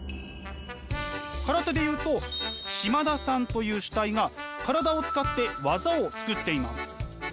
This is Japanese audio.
空手で言うと嶋田さんという主体が体を使って技を作っています。